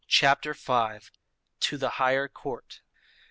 CHAPTER V. TO THE HIGHER COURT.